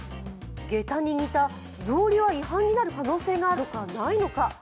げたに似たぞうりは違反になる可能性があるのか、ないのか。